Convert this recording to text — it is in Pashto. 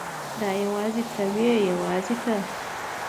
دا یوازې ته وې یوازې ته.